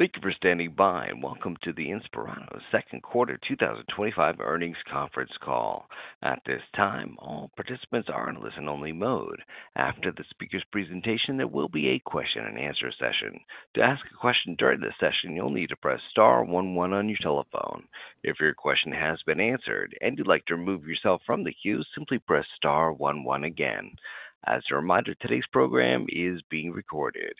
Thank you for standing by and welcome to Inspirato's Second Quarter 2025 Earnings Conference Call. At this time, all participants are in listen-only mode. After the speaker's presentation, there will be a question and answer session. To ask a question during this session, you'll need to press star one one on your telephone. If your question has been answered and you'd like to remove yourself from the queue, simply press star one one again. As a reminder, today's program is being recorded.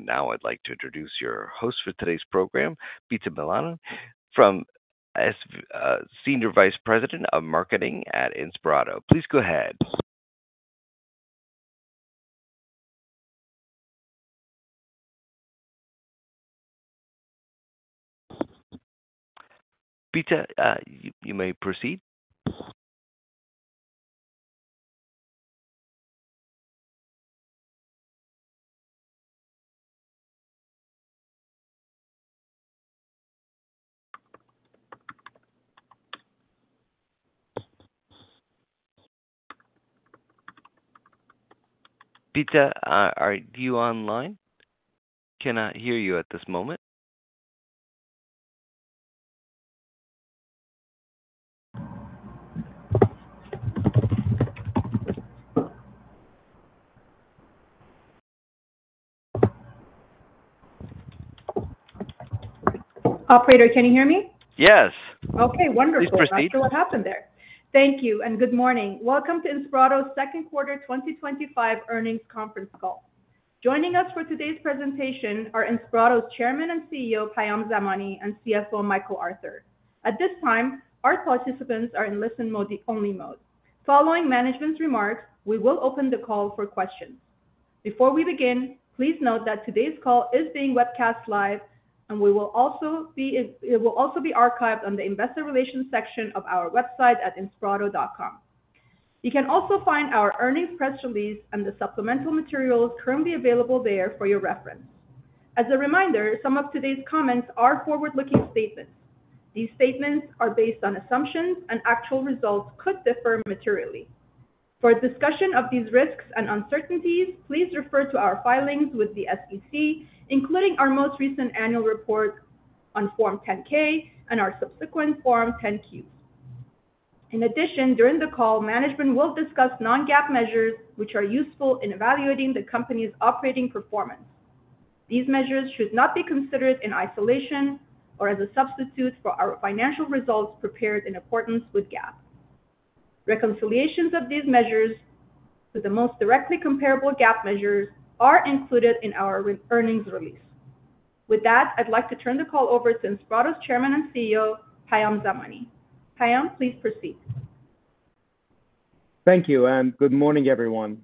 Now I'd like to introduce your host for today's program, Bita Milanian, Senior Vice President of Marketing at Inspirato. Please go ahead. Bita, you may proceed. Bita, are you online? Cannot hear you at this moment. Operator, can you hear me? Yes. Okay. Wonderful. This is Mr. Thank you and good morning. Welcome to Inspirato's Second Quarter 2025 Earnings Conference Call. Joining us for today's presentation are Inspirato's Chairman and CEO, Payam Zamani, and CFO, Michael Arthur. At this time, our participants are in listen-only mode. Following management's remarks, we will open the call for questions. Before we begin, please note that today's call is being webcast live, and it will also be archived on the investor relations section of our website at inspirato.com. You can also find our earnings press release and the supplemental materials currently available there for your reference. As a reminder, some of today's comments are forward-looking statements. These statements are based on assumptions, and actual results could differ materially. For a discussion of these risks and uncertainties, please refer to our filings with the SEC, including our most recent annual report on Form 10-K and our subsequent Form 10-Q. In addition, during the call, management will discuss non-GAAP measures, which are useful in evaluating the company's operating performance. These measures should not be considered in isolation or as a substitute for our financial results prepared in accordance with GAAP. Reconciliations of these measures to the most directly comparable GAAP measures are included in our earnings release. With that, I'd like to turn the call over to Inspirato's Chairman and CEO, Payam Zamani. Payam, please proceed. Thank you, and good morning, everyone.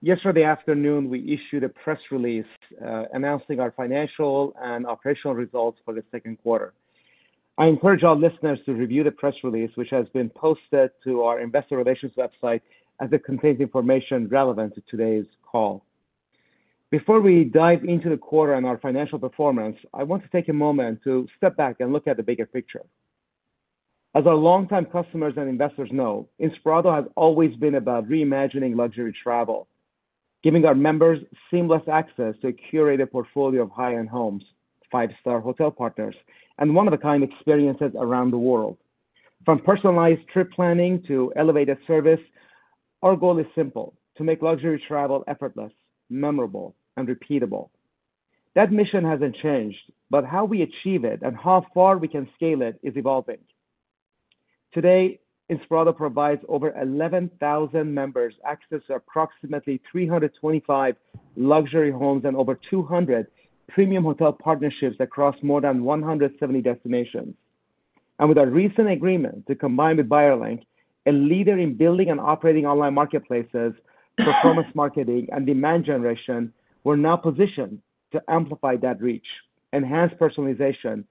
Yesterday afternoon, we issued a press release announcing our financial and operational results for the second quarter. I encourage all listeners to review the press release, which has been posted to our investor relations website, as it contains information relevant to today's call. Before we dive into the quarter and our financial performance, I want to take a moment to step back and look at the bigger picture. As our long-time customers and investors know, Inspirato has always been about reimagining luxury travel, giving our members seamless access to a curated portfolio of high-end homes, five-star hotel partners, and one-of-a-kind experiences around the world. From personalized trip planning to elevated service, our goal is simple: to make luxury travel effortless, memorable, and repeatable. That mission hasn't changed, but how we achieve it and how far we can scale it is evolving. Today, Inspirato provides over 11,000 members access to approximately 325 luxury homes and over 200 premium hotel partnerships across more than 170 destinations. With our recent agreement to combine with Buyerlink, a leader in building and operating online marketplaces, performance marketing, and demand generation, we're now positioned to amplify that reach, enhance personalization,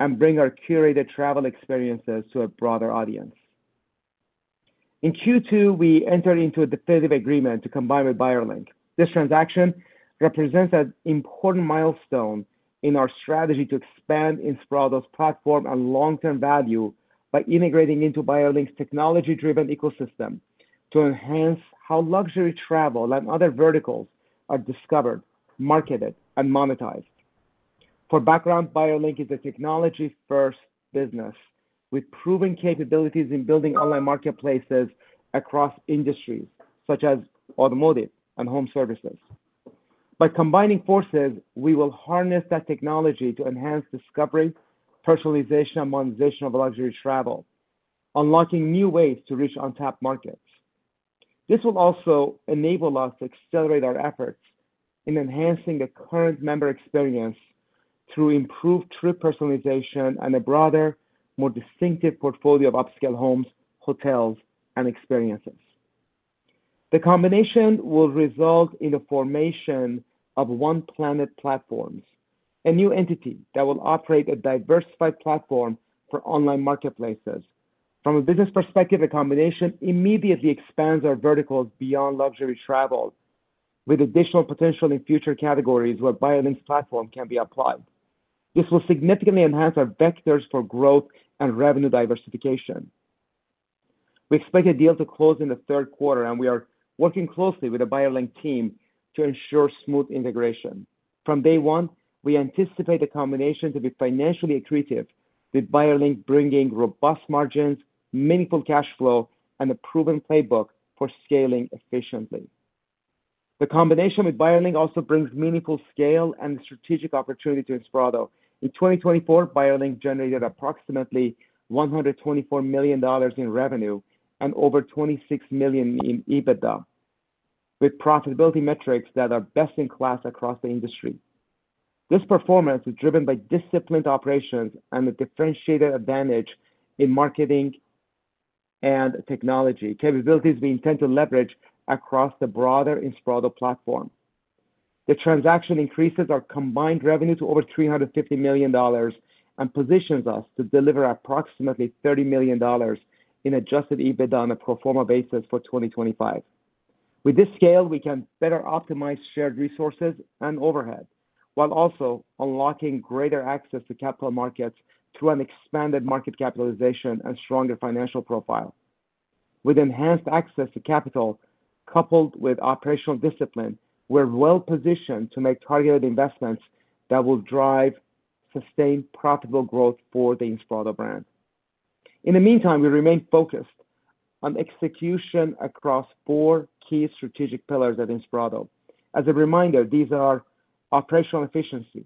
and bring our curated travel experiences to a broader audience. In Q2, we entered into a definitive agreement to combine with Buyerlink. This transaction represents an important milestone in our strategy to expand Inspirato's platform and long-term value by integrating into Buyerlink's technology-driven ecosystem to enhance how luxury travel and other verticals are discovered, marketed, and monetized. For background, Buyerlink is a technology-first business with proven capabilities in building online marketplaces across industries such as automotive and home services. By combining forces, we will harness that technology to enhance discovery, personalization, and monetization of luxury travel, unlocking new ways to reach untapped markets. This will also enable us to accelerate our efforts in enhancing the current member experience through improved trip personalization and a broader, more distinctive portfolio of upscale homes, hotels, and experiences. The combination will result in the formation of One Planet Platforms, a new entity that will operate a diversified platform for online marketplaces. From a business perspective, the combination immediately expands our verticals beyond luxury travel, with additional potential in future categories where Buyerlink's platform can be applied. This will significantly enhance our vectors for growth and revenue diversification. We expect the deal to close in the third quarter, and we are working closely with the Buyerlink team to ensure smooth integration. From day one, we anticipate the combination to be financially accretive, with Buyerlink bringing robust margins, meaningful cash flow, and a proven playbook for scaling efficiently. The combination with Buyerlink also brings meaningful scale and strategic opportunity to Inspirato. In 2024, Buyerlink generated approximately $124 million in revenue and over $26 million in EBITDA, with profitability metrics that are best-in-class across the industry. This performance is driven by disciplined operations and a differentiated advantage in marketing and technology capabilities we intend to leverage across the broader Inspirato platform. The transaction increases our combined revenue to over $350 million and positions us to deliver approximately $30 million in adjusted EBITDA on a pro forma basis for 2025. With this scale, we can better optimize shared resources and overhead, while also unlocking greater access to capital markets through an expanded market capitalization and stronger financial profile. With enhanced access to capital, coupled with operational discipline, we're well-positioned to make targeted investments that will drive sustained profitable growth for the Inspirato brand. In the meantime, we remain focused on execution across four key strategic pillars at Inspirato. As a reminder, these are operational efficiency,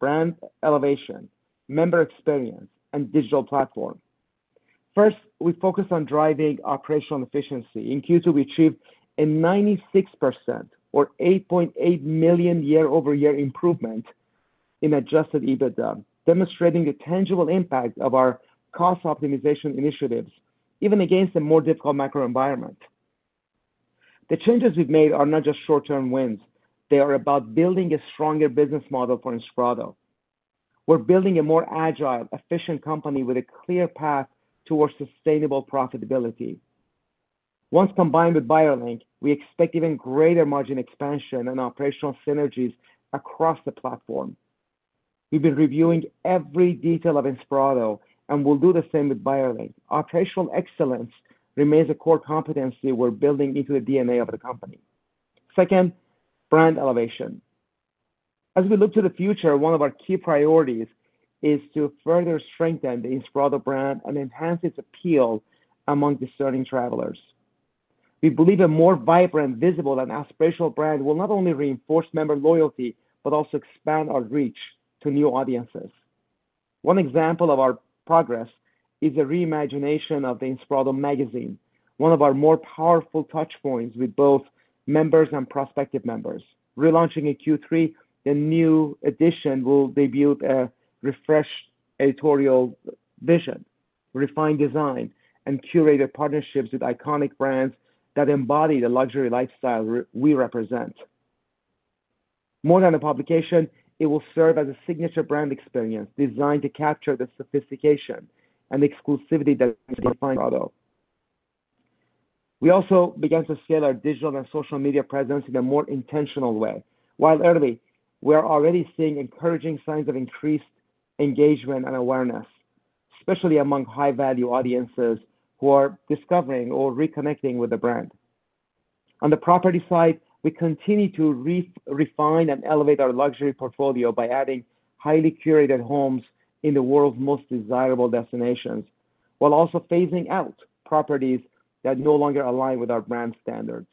brand elevation, member experience, and digital platform. First, we focus on driving operational efficiency. In Q2, we achieved a 96% or $8.8 million year-over-year improvement in adjusted EBITDA, demonstrating the tangible impact of our cost optimization initiatives, even against a more difficult macro environment. The changes we've made are not just short-term wins. They are about building a stronger business model for Inspirato. We're building a more agile, efficient company with a clear path towards sustainable profitability. Once combined with Buyerlink, we expect even greater margin expansion and operational synergies across the platform. We've been reviewing every detail of Inspirato and will do the same with Buyerlink. Operational excellence remains a core competency we're building into the DNA of the company. Second, brand elevation. As we look to the future, one of our key priorities is to further strengthen the Inspirato brand and enhance its appeal among discerning travelers. We believe a more vibrant, visible, and aspirational brand will not only reinforce member loyalty but also expand our reach to new audiences. One example of our progress is the reimagination of the Inspirato magazine, one of our more powerful touchpoints with both members and prospective members. Relaunching in Q3, the new edition will debut a refreshed editorial vision, refined design, and curated partnerships with iconic brands that embody the luxury lifestyle we represent. More than a publication, it will serve as a signature brand experience designed to capture the sophistication and exclusivity that we've defined for Inspirato. We also began to scale our digital and social media presence in a more intentional way. While early, we're already seeing encouraging signs of increased engagement and awareness, especially among high-value audiences who are discovering or reconnecting with the brand. On the property side, we continue to refine and elevate our luxury portfolio by adding highly curated homes in the world's most desirable destinations, while also phasing out properties that no longer align with our brand standards.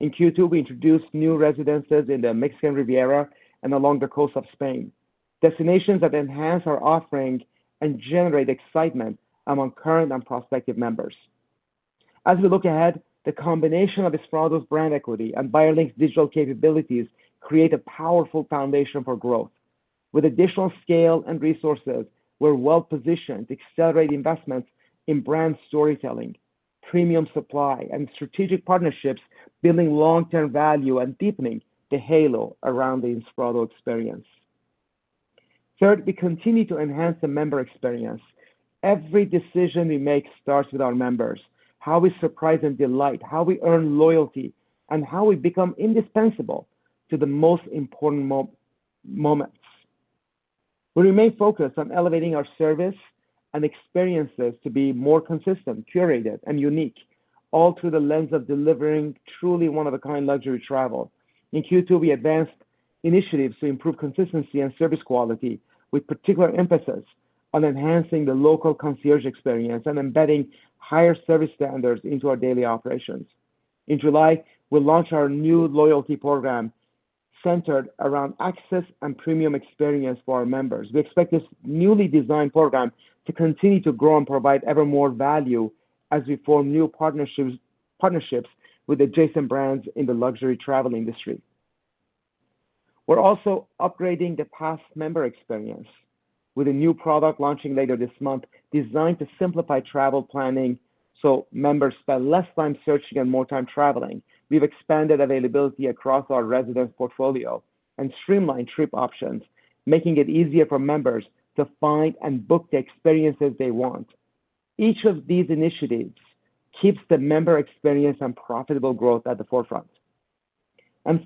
In Q2, we introduced new residences in the Mexican Riviera and along the coast of Spain, destinations that enhance our offering and generate excitement among current and prospective members. As we look ahead, the combination of Inspirato's brand equity and Buyerlink's digital capabilities creates a powerful foundation for growth. With additional scale and resources, we're well-positioned to accelerate investments in brand storytelling, premium supply, and strategic partnerships, building long-term value and deepening the halo around the Inspirato experience. Third, we continue to enhance the member experience. Every decision we make starts with our members, how we surprise and delight, how we earn loyalty, and how we become indispensable to the most important moments. We remain focused on elevating our service and experiences to be more consistent, curated, and unique, all through the lens of delivering truly one-of-a-kind luxury travel. In Q2, we advanced initiatives to improve consistency and service quality, with particular emphasis on enhancing the local concierge experience and embedding higher service standards into our daily operations. In July, we'll launch our new loyalty program centered around access and premium experience for our members. We expect this newly designed program to continue to grow and provide ever more value as we form new partnerships with adjacent brands in the luxury travel industry. We're also upgrading the Pass member experience with a new product launching later this month, designed to simplify travel planning so members spend less time searching and more time traveling. We've expanded availability across our resident portfolio and streamlined trip options, making it easier for members to find and book the experiences they want. Each of these initiatives keeps the member experience and profitable growth at the forefront.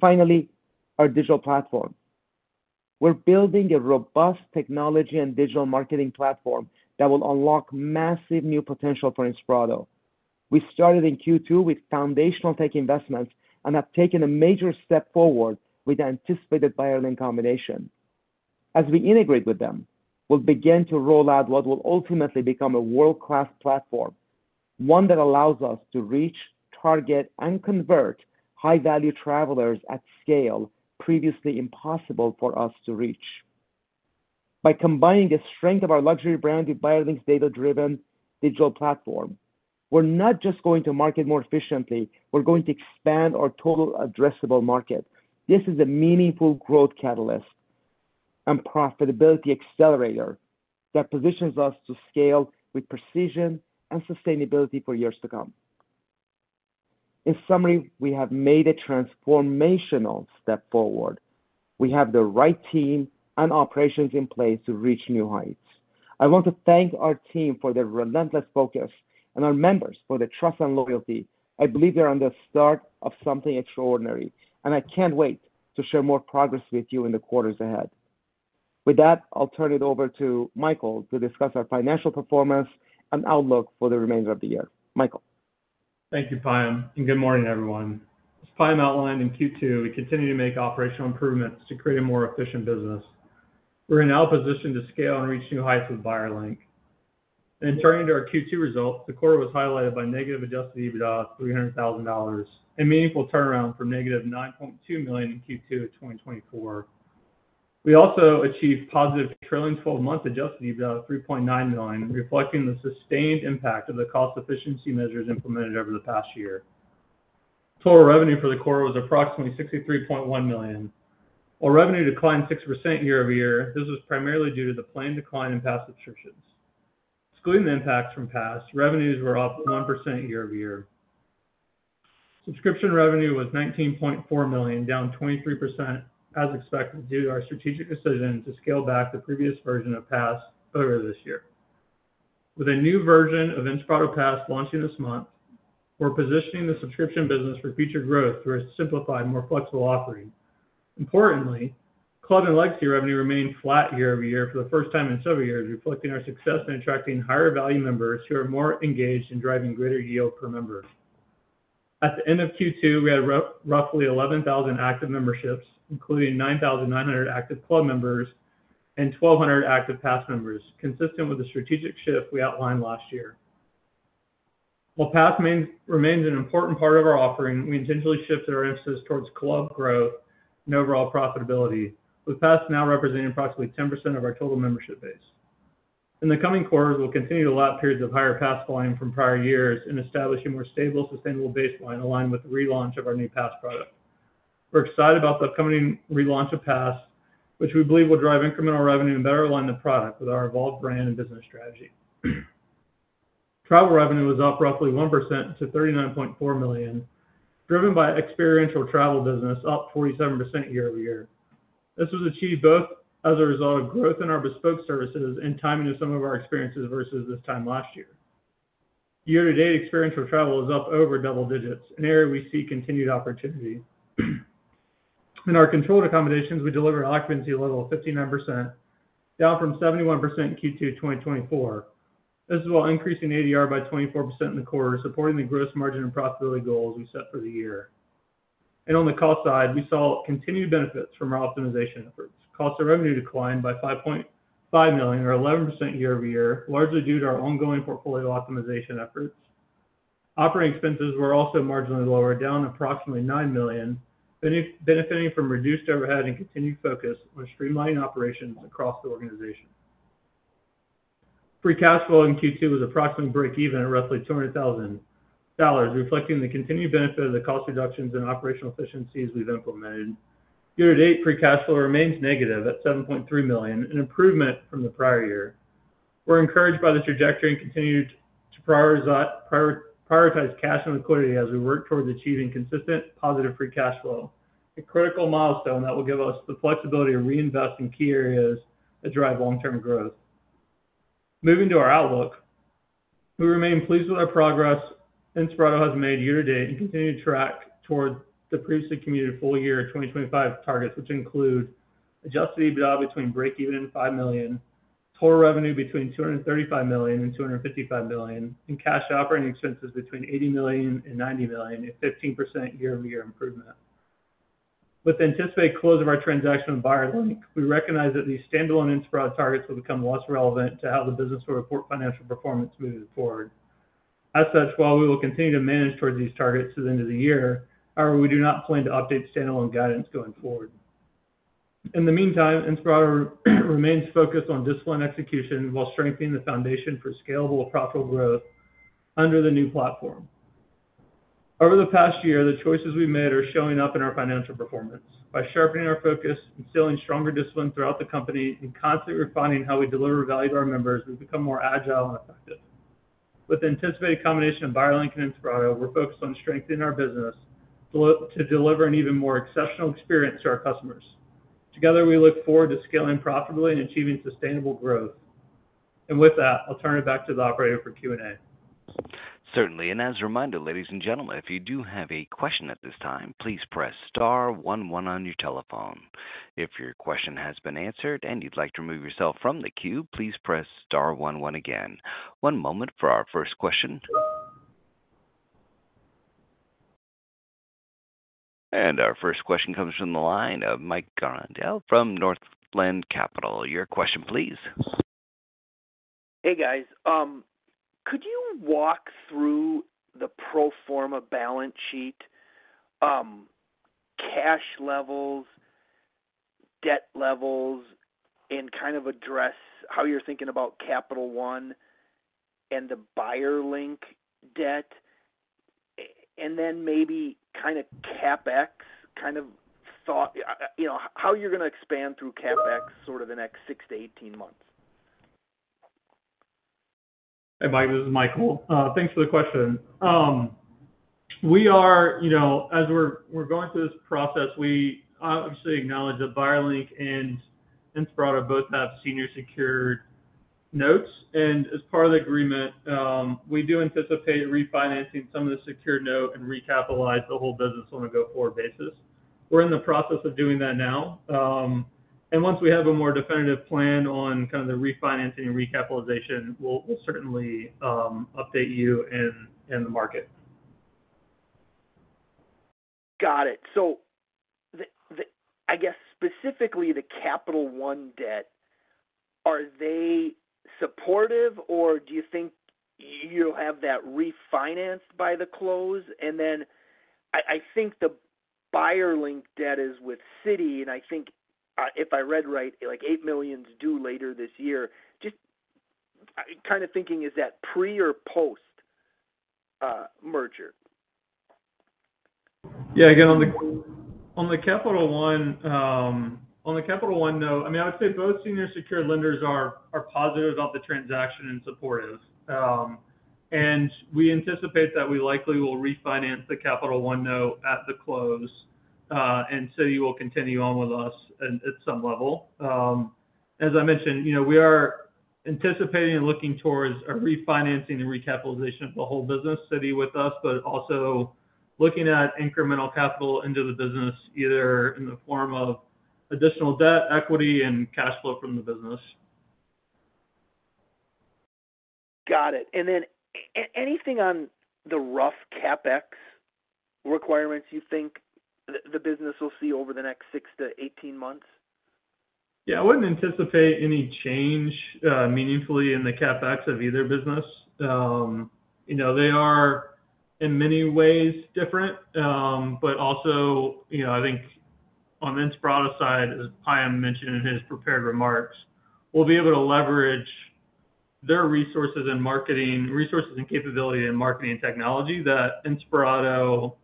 Finally, our digital platform. We're building a robust technology and digital marketing platform that will unlock massive new potential for Inspirato. We started in Q2 with foundational tech investments and have taken a major step forward with the anticipated Buyerlink combination. As we integrate with them, we'll begin to roll out what will ultimately become a world-class platform, one that allows us to reach, target, and convert high-value travelers at scale previously impossible for us to reach. By combining the strength of our luxury brand with Buyerlink's data-driven digital platform, we're not just going to market more efficiently; we're going to expand our total addressable market. This is a meaningful growth catalyst and profitability accelerator that positions us to scale with precision and sustainability for years to come. In summary, we have made a transformational step forward. We have the right team and operations in place to reach new heights. I want to thank our team for their relentless focus and our members for their trust and loyalty. I believe they're on the start of something extraordinary, and I can't wait to share more progress with you in the quarters ahead. With that, I'll turn it over to Michael to discuss our financial performance and outlook for the remainder of the year. Michael. Thank you, Payam, and good morning, everyone. As Payam outlined in Q2, we continue to make operational improvements to create a more efficient business. We're in a position to scale and reach new heights with Buyerlink. In turning to our Q2 result, the quarter was highlighted by negative adjusted EBITDA at $300,000, a meaningful turnaround from -$9.2 million in Q2 of 2024. We also achieved positive trailing 12-month adjusted EBITDA at $3.9 million, reflecting the sustained impact of the cost efficiency measures implemented over the past year. Total revenue for the quarter was approximately $63.1 million. While revenue declined 6% year-over-year, this was primarily due to the planned decline in Pass subscriptions. Excluding the impacts from Pass, revenues were up 1% year-over-year. Subscription revenue was $19.4 million, down 23% as expected due to our strategic decision to scale back the previous version of Pass earlier this year. With a new version of Inspirato Pass launching this month, we're positioning the subscription business for future growth through a simplified, more flexible offering. Importantly, Club and legacy revenue remained flat year-over-year for the first time in several years, reflecting our success in attracting higher value members who are more engaged in driving greater yield per member. At the end of Q2, we had roughly 11,000 active memberships, including 9,900 active Club members and 1,200 active Pass members, consistent with the strategic shift we outlined last year. While Pass remains an important part of our offering, we intentionally shifted our emphasis towards Club growth and overall profitability, with Pass now representing approximately 10% of our total membership base. In the coming quarters, we'll continue to allow periods of higher Pass volume from prior years and establish a more stable, sustainable baseline aligned with the relaunch of our new Pass product. We're excited about the upcoming relaunch of Pass, which we believe will drive incremental revenue and better align the product with our evolved brand and business strategy. Travel revenue was up roughly 1% to $39.4 million, driven by experiential travel business, up 47% year-over-year. This was achieved both as a result of growth in our bespoke services and timing of some of our experiences versus this time last year. Year-to-date experiential travel is up over double digits, an area we see continued opportunity. In our controlled accommodations, we delivered an occupancy level of 59%, down from 71% in Q2 of 2024. This is while increasing ADR by 24% in the quarter, supporting the gross margin and profitability goals we set for the year. On the cost side, we saw continued benefits from our optimization efforts. Cost of revenue declined by $5.5 million, or 11% year-over-year, largely due to our ongoing portfolio optimization efforts. Operating expenses were also marginally lower, down approximately $9 million, benefiting from reduced overhead and continued focus on streamlining operations across the organization. Free cash flow in Q2 was approximately break-even at roughly $200,000, reflecting the continued benefit of the cost reductions and operational efficiencies we've implemented. Year-to-date free cash flow remains negative at $7.3 million, an improvement from the prior year. We're encouraged by the trajectory and continue to prioritize cash and liquidity as we work towards achieving consistent positive free cash flow, a critical milestone that will give us the flexibility to reinvest in key areas that drive long-term growth. Moving to our outlook, we remain pleased with our progress Inspirato has made year-to-date and continue to track toward the previously communicated full year 2025 targets, which include adjusted EBITDA between break-even and $5 million, total revenue between $235 million and $255 million, and cash operating expenses between $80 million and $90 million, a 15% year-over-year improvement. With the anticipated close of our transaction with Buyerlink, we recognize that these standalone Inspirato targets will become less relevant to how the business will report financial performance moving forward. As such, while we will continue to manage towards these targets to the end of the year, we do not plan to update standalone guidance going forward. In the meantime, Inspirato remains focused on disciplined execution while strengthening the foundation for scalable profitable growth under the new platform. Over the past year, the choices we've made are showing up in our financial performance. By sharpening our focus, instilling stronger discipline throughout the company, and constantly refining how we deliver value to our members, we've become more agile and effective. With the anticipated combination of Buyerlink and Inspirato, we're focused on strengthening our business to deliver an even more exceptional experience to our customers. Together, we look forward to scaling profitably and achieving sustainable growth. With that, I'll turn it back to the operator for Q and A. Certainly. As a reminder, ladies and gentlemen, if you do have a question at this time, please press star one one on your telephone. If your question has been answered and you'd like to remove yourself from the queue, please press star one one again. One moment for our first question. Our first question comes from the line of Mike Grondahl from Northland Capital. Your question, please. Hey, guys. Could you walk through the pro forma balance sheet, cash levels, debt levels, and kind of address how you're thinking about Capital One and the Buyerlink debt? Maybe kind of CapEx thought, you know, how you're going to expand through CapEx sort of the next six to 18 months? Hey, Mike. This is Michael. Thanks for the question. As we're going through this process, we obviously acknowledge that Buyerlink and Inspirato both have senior secured notes. As part of the agreement, we do anticipate refinancing some of the secured note and recapitalize the whole business on a go-forward basis. We're in the process of doing that now. Once we have a more definitive plan on the refinancing and recapitalization, we'll certainly update you and the market. Got it. The Capital One debt, are they supportive, or do you think you'll have that refinanced by the close? I think the Buyerlink debt is with Citi, and I think, if I read right, $8 million is due later this year. Just kind of thinking, is that pre or post merger? Yeah. On the Capital One note, I would say both senior secured lenders are positive about the transaction and supportive. We anticipate that we likely will refinance the Capital One note at the close, and Citi will continue on with us at some level. As I mentioned, we are anticipating and looking towards a refinancing and recapitalization of the whole business, Citi with us, but also looking at incremental capital into the business, either in the form of additional debt, equity, and cash flow from the business. Got it. Anything on the rough CapEx requirements you think the business will see over the next six to 18 months? Yeah. I wouldn't anticipate any change, meaningfully, in the CapEx of either business. They are in many ways different, but also, I think on the Inspirato side, as Payam mentioned in his prepared remarks, we'll be able to leverage their resources and marketing resources and capability in marketing and technology that Inspirato,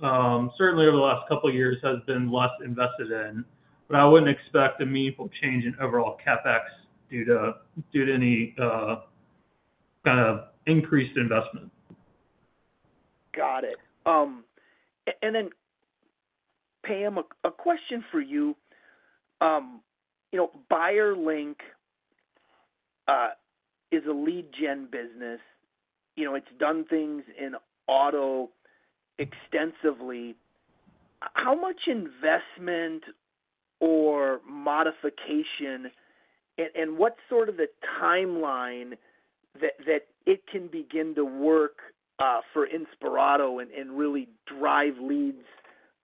certainly over the last couple of years, has been less invested in. I wouldn't expect a meaningful change in overall CapEx due to any kind of increased investment. Got it. Payam, a question for you. You know, Buyerlink is a lead gen business. You know, it's done things in auto extensively. How much investment or modification, and what's sort of the timeline that it can begin to work for Inspirato and really drive leads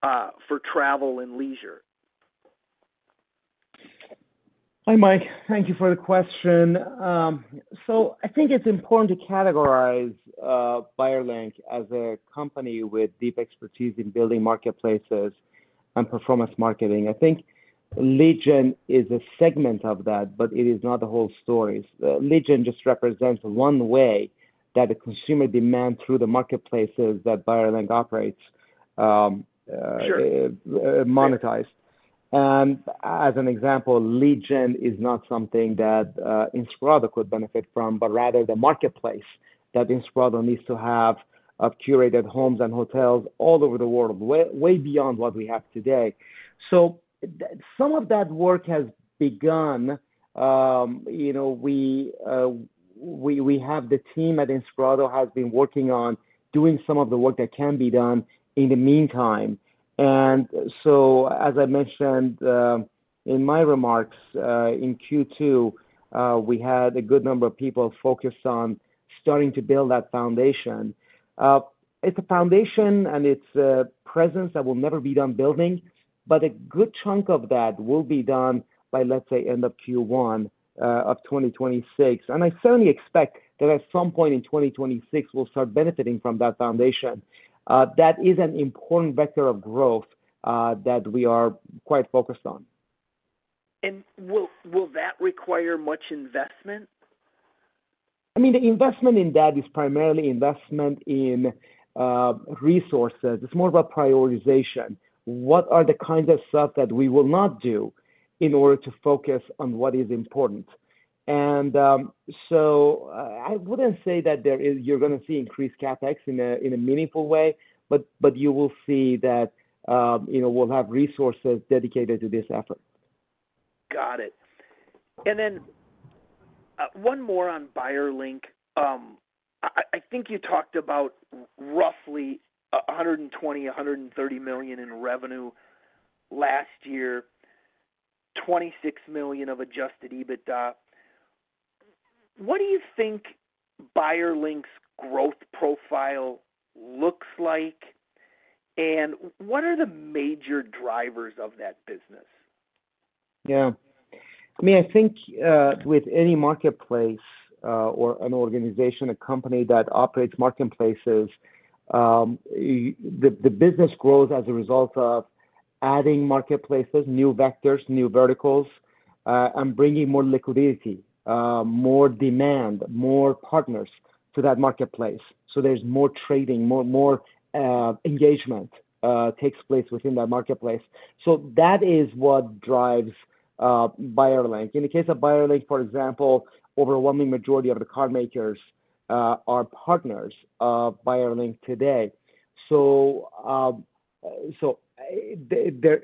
for travel and leisure? Hi, Mike. Thank you for the question. I think it's important to categorize Buyerlink as a company with deep expertise in building marketplaces and performance marketing. I think lead gen is a segment of that, but it is not the whole story. Lead gen just represents one way that the consumer demand through the marketplaces that Buyerlink operates is monetized. As an example, lead gen is not something that Inspirato could benefit from, but rather the marketplace that Inspirato needs to have of curated homes and hotels all over the world, way, way beyond what we have today. Some of that work has begun. The team at Inspirato has been working on doing some of the work that can be done in the meantime. As I mentioned in my remarks, in Q2, we had a good number of people focused on starting to build that foundation. It's a foundation and it's a presence that will never be done building, but a good chunk of that will be done by, let's say, end of Q1, 2026. I certainly expect that at some point in 2026, we'll start benefiting from that foundation. That is an important vector of growth that we are quite focused on. Will that require much investment? I mean, the investment in debt is primarily investment in resources. It's more of a prioritization. What are the kinds of stuff that we will not do in order to focus on what is important? I wouldn't say that there is you're going to see increased CapEx in a meaningful way, but you will see that, you know, we'll have resources dedicated to this effort. Got it. One more on Buyerlink. I think you talked about roughly $120 million, $130 million in revenue last year, $26 million of adjusted EBITDA. What do you think Buyerlink's growth profile looks like, and what are the major drivers of that business? Yeah. I mean, I think with any marketplace, or an organization, a company that operates marketplaces, the business grows as a result of adding marketplaces, new vectors, new verticals, and bringing more liquidity, more demand, more partners to that marketplace. There's more trading, more engagement that takes place within that marketplace. That is what drives Buyerlink. In the case of Buyerlink, for example, an overwhelming majority of the car makers are partners of Buyerlink today.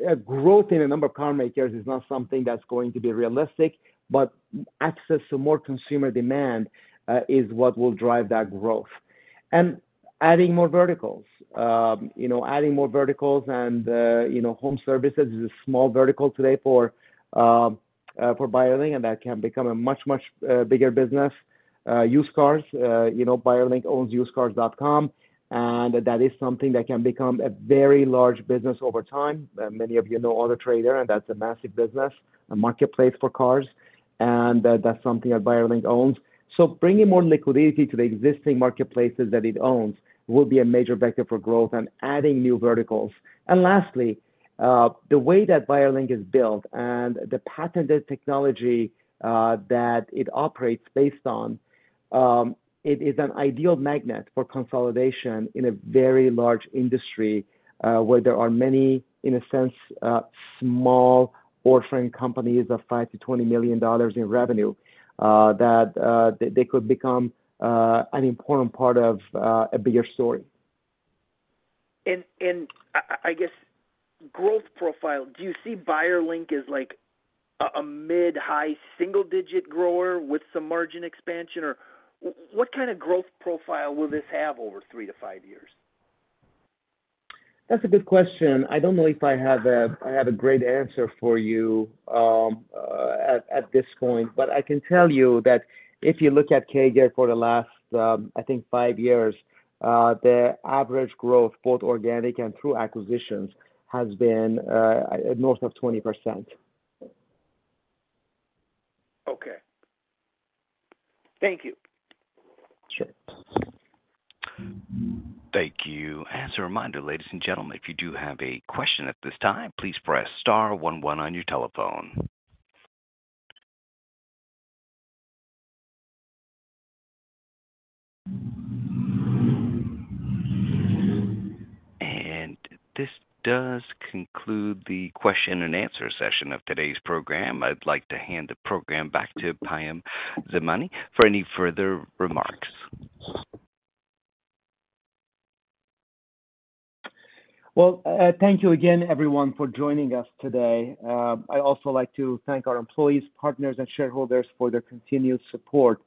A growth in the number of car makers is not something that's going to be realistic, but access to more consumer demand is what will drive that growth. Adding more verticals, you know, adding more verticals and, you know, home services is a small vertical today for Buyerlink, and that can become a much, much bigger business. Used cars, you know, Buyerlink owns UsedCars.com, and that is something that can become a very large business over time. Many of you know Autotrader, and that's a massive business, a marketplace for cars, and that's something that Buyerlink owns. Bringing more liquidity to the existing marketplaces that it owns will be a major vector for growth and adding new verticals. Lastly, the way that Buyerlink is built and the patented technology that it operates based on, it is an ideal magnet for consolidation in a very large industry, where there are many, in a sense, small orphan companies of $5 million-$20 million in revenue, that could become an important part of a bigger story. I guess growth profile, do you see Buyerlink as, like, a mid-high single-digit grower with some margin expansion, or what kind of growth profile will this have over three to five years? That's a good question. I don't know if I have a great answer for you at this point, but I can tell you that if you look at CAGR for the last, I think, five years, the average growth, both organic and through acquisitions, has been north of 20%. Okay, thank you. Sure. Thank you. As a reminder, ladies and gentlemen, if you do have a question at this time, please press star one one on your telephone. This does conclude the question and answer session of today's program. I'd like to hand the program back to Payam Zamani for any further remarks. Thank you again, everyone, for joining us today. I'd also like to thank our employees, partners, and shareholders for their continued support.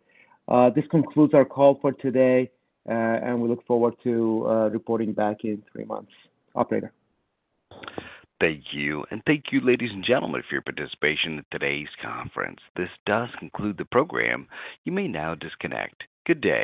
This concludes our call for today, and we look forward to reporting back in three months. Operator. Thank you. Thank you, ladies and gentlemen, for your participation in today's conference. This does conclude the program. You may now disconnect. Good day.